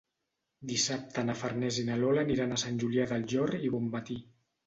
Dissabte na Farners i na Lola aniran a Sant Julià del Llor i Bonmatí.